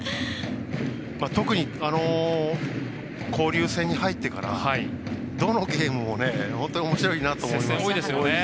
特に交流戦に入ってからどのゲームも本当におもしろいなと思います。